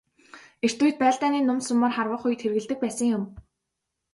Эрт үед байлдааны нум сумаар харвах үед хэрэглэдэг байсан юм.